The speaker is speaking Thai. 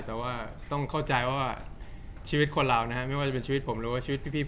แต่ว่าต้องเข้าใจว่าชีวิตคนเรานะฮะไม่ว่าจะเป็นชีวิตผมหรือว่าชีวิตพี่